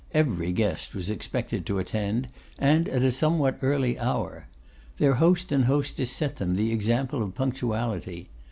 Every guest was expected to attend, and at a somewhat early hour. Their host and hostess set them the example of punctuality.